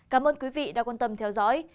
cảm ơn quý vị đã quan tâm theo dõi